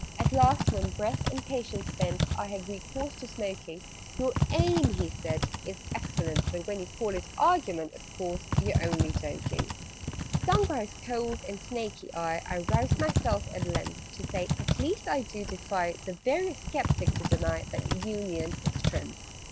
At last, when, breath and patience spent, I had recourse to smoking "Your aim," he said, "is excellent: But when you call it argument Of course you're only joking?" Stung by his cold and snaky eye, I roused myself at length To say "At least I do defy The veriest sceptic to deny That union is strength!"